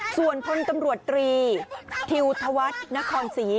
ส่วนพลตำรวจตรีทิวธวัฒนครศรี